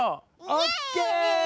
オッケー！